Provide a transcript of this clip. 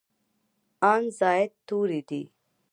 ان زاید توري دي.